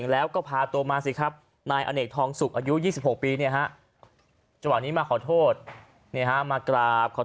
แล้วก็เลิกครับนิสัยแบบนี้ไม่ได้เท่หรอกครับ